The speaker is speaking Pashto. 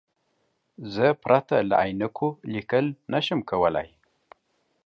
زه پرته له عینکو لیکل نشم کولای.